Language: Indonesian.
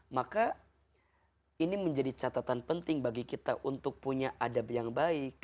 maka ini menjadi catatan penting bagi kita untuk punya adab yang baik